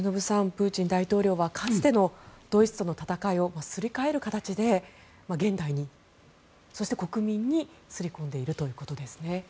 プーチン大統領はかつてのドイツとの戦いをすり替える形で現代に、そして国民に刷り込んでいるということですね。